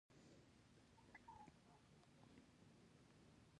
ترموز د چایو خزانه ده.